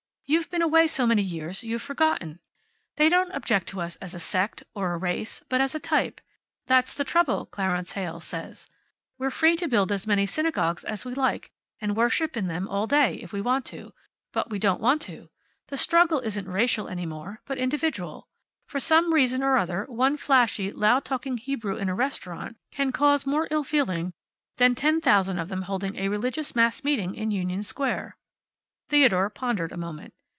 You've been away so many years you've forgotten. They don't object to us as a sect, or a race, but as a type. That's the trouble, Clarence Heyl says. We're free to build as many synagogues as we like, and worship in them all day, if we want to. But we don't want to. The struggle isn't racial any more, but individual. For some reason or other one flashy, loud talking Hebrew in a restaurant can cause more ill feeling than ten thousand of them holding a religious mass meeting in Union Square." Theodore pondered a moment.